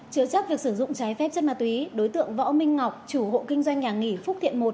chứa chấp việc sử dụng trái phép chất ma túy đối tượng võ minh ngọc chủ hộ kinh doanh nhà nghỉ phúc thiện một